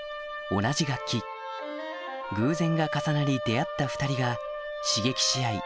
同じ楽器偶然が重なり出会った２人が刺激し合い